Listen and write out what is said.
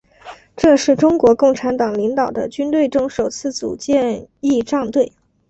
这是中国共产党领导的军队中首次组建仪仗队。